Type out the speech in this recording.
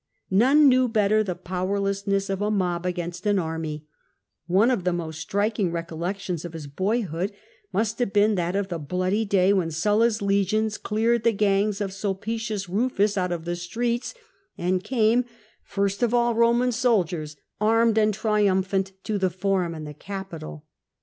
Hone knew better the powerlessness of a mob against an army ; one of the most striking re collections of his boyhood must have been that of the bloody day when Sulla^s legions cleared the gangs of Sulpicius Eufus out of the streets, and came, first of all V CMsm 306 Eoman soldiers, armed and triumphant to the Forum and the Capitol.